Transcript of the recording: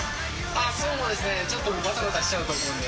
そうですねちょっとバタバタしちゃうと思うので。